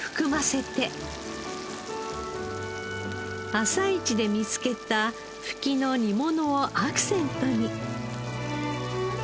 朝市で見つけたフキの煮物をアクセントに。